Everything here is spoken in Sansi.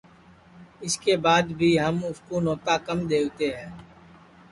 اِس کے بعد بھی ہم اُس کُو نوتا کم دؔیتے ہے